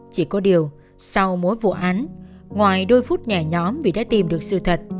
chỉ có điều sau mỗi vụ án ngoài đôi phút nhả nhóm vì đã tìm được sự thật